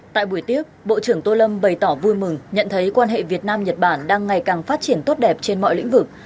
tại buổi tiếp bộ trưởng tô lâm bày tỏ vui mừng nhận thấy quan hệ việt nam nhật bản đang ngày càng phát triển tốt đẹp trên mọi lĩnh vực